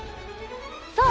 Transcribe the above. そう！